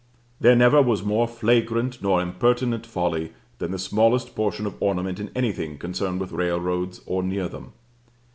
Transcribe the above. There never was more flagrant nor impertinent folly than the smallest portion of ornament in anything concerned with railroads or near them.